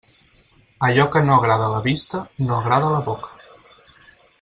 Allò que no agrada a la vista, no agrada a la boca.